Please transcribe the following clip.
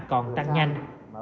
còn tăng nhanh